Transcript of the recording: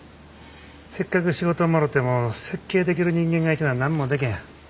せっかく仕事もろても設計できる人間がいてな何もでけへん。